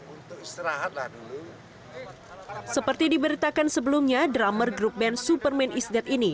untuk istirahatlah dulu seperti diberitakan sebelumnya drummer grup band superman is dead ini